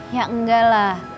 ya enggak lah